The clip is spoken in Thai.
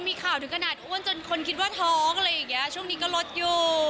มีข่าวถึงขนาดอ้วนจนคนคิดว่าท้องอะไรอย่างเงี้ยช่วงนี้ก็ลดอยู่